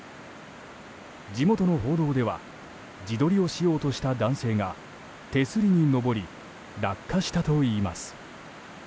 地元の報道では自撮りをしようとした男性が手すりに上り落下したといいます。